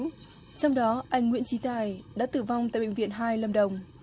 trong đó anh nguyễn trí tài đã tử vong tại bệnh viện hai lâm đồng